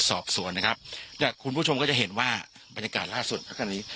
สอบสวนนะครับจากคุณผู้ชมก็จะเห็นว่าบรรยากาศล่าสุดณขณะนี้